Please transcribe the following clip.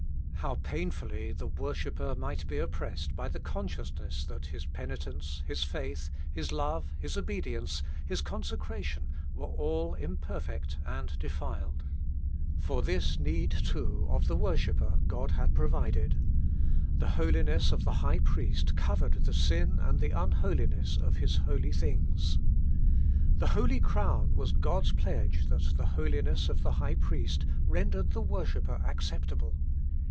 How painfully the wor shipper might be oppressed by the consciousness that his penitence, his faith, his love, his obedience, his consecration, were all imperfect and defiled ! For this need, too, of the worshipper, God had provided. The holiness of the high priest covered the sin and the unholiness of his holy things. The holy crown was God's pledge that the holiness of the high priest rendered the worshipper acceptable.